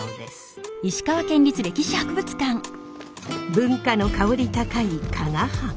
文化の薫り高い加賀藩。